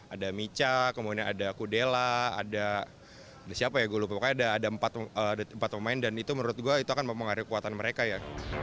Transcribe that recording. ada mica kemudian ada kudella ada siapa ya gue pokoknya ada empat pemain dan itu menurut gue itu akan mempengaruhi kekuatan mereka ya